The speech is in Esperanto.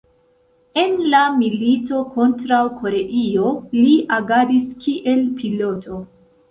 En la milito kontraŭ Koreio li agadis kiel piloto.